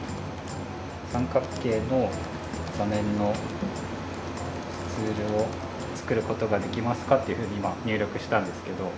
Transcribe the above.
「三角形の座面のスツールを作ることができますか？」っていうふうに今入力したんですけど。